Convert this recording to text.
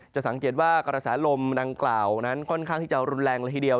จะสังเกตว่ากระแสลมดังกล่าวนั้นค่อนข้างที่จะรุนแรงละทีเดียว